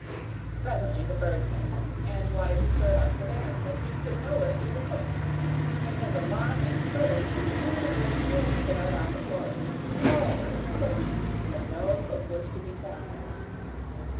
Presently the bird came in and wanted to serve up the dinner, but he could nowhere see the cook. In his alarm and flurry, he threw the wood here and there about the floor, called and searched, but no cook was to be found.